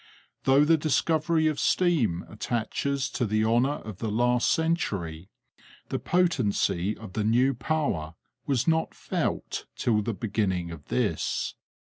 Though the discovery of steam attaches to the honour of the last century, the potency of the new power was not felt till the beginning of this.